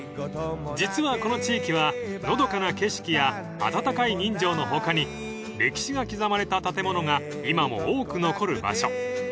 ［実はこの地域はのどかな景色や温かい人情の他に歴史が刻まれた建物が今も多く残る場所］